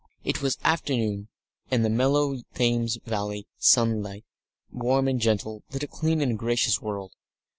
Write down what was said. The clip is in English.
It was afternoon, and the mellow Thames Valley sunlight, warm and gentle, lit a clean and gracious world.